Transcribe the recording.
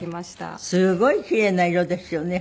すごいキレイな色ですよね。